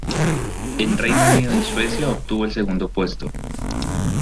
En Reino Unido y Suecia obtuvo el segundo puesto.